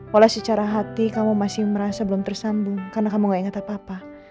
wala secara hati kamu masih merasa belum tersambung karena kamu gak ingat apa apa